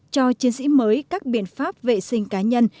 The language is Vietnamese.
cho chiến sĩ mới các biện pháp vệ sinh cá nhân